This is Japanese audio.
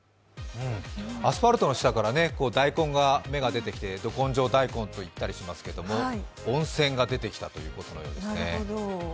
アスファルトの下から大根の芽が出てきてド根性大根と言ったりしますけれども温泉が出てきたということのようですね。